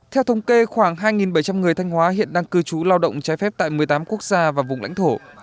theo thống kê khoảng hai bảy trăm linh người thanh hóa hiện đang cư trú lao động trái phép tại một mươi tám quốc gia và vùng lãnh thổ